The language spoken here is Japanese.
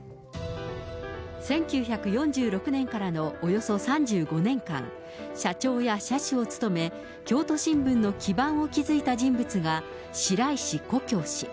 １９４６年からのおよそ３５年間、社長や社主を務め、京都新聞の基盤を築いた人物が白石古京氏。